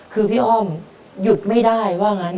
คือพี่อ้อมหยุดไม่ได้ว่างั้น